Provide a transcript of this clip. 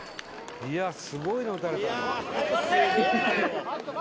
「いやすごいの打たれたな」